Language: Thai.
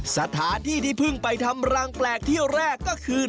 สถานที่ที่เพิ่งไปทำรังแปลกเที่ยวแรกก็คือ